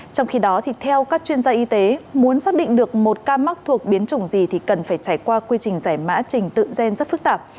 trong khi đó theo các chuyên gia y tế muốn xác định được một ca mắc thuộc biến chủng gì thì cần phải trải qua quy trình giải mã trình tự gen rất phức tạp